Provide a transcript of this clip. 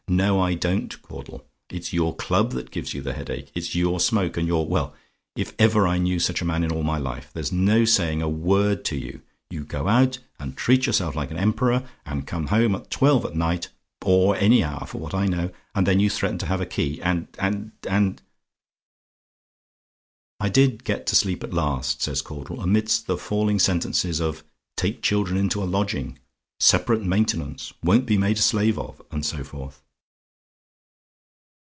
"No, I don't, Caudle; it's your club that gives you the headache; it's your smoke, and your well! if ever I knew such a man in all my life! there's no saying a word to you! You go out, and treat yourself like an emperor and come home at twelve at night, or any hour for what I know, and then you threaten to have a key, and and and " "I did get to sleep at last," says Caudle, "amidst the falling sentences of 'take children into a lodging' 'separate maintenance' 'won't be made a slave of' and so forth."